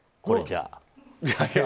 これじゃあ。